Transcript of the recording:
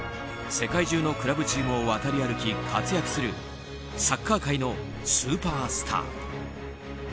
世界中のクラブチームを渡り歩き活躍するサッカー界のスーパースター。